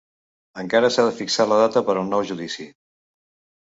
Encara s'ha de fixar la data per al nou judici.